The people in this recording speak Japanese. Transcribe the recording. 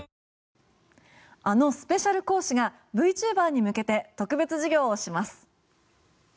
あのスペシャル講師がＶチューバーに向けて特別授業をします。